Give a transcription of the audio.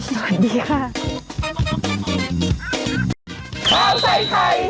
สวัสดีค่ะ